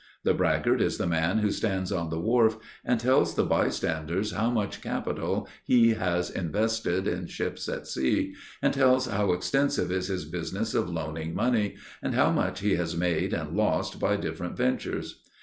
The braggart is the man who stands on the wharf and tells the bystanders how much capital he has invested in ships at sea, and tells how extensive is his business of loaning money, and how much he has made and lost by different ventures.